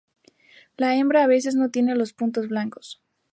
La hembra a veces no tiene los puntos blancos.